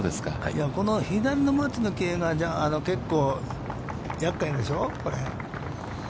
この左の松の木が結構やっかいでしょう、これ。